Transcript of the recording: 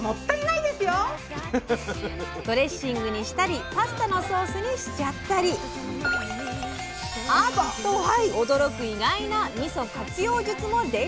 ドレッシングにしたりパスタのソースにしちゃったり⁉アッ！と驚く意外なみそ活用術も伝授します！